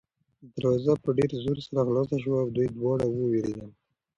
دروازه په ډېر زور سره خلاصه شوه او دوی دواړه ووېرېدل.